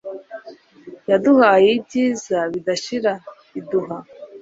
yaduhaye ibyiza bidashira, iduha